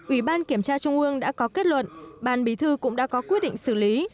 ủy ban kiểm tra trung ương đã có kết luận ban bí thư cũng đã có quyết định xử lý